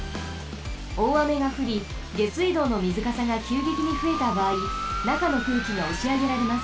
おおあめがふりげすいどうのみずかさがきゅうげきにふえたばあいなかのくうきがおしあげられます。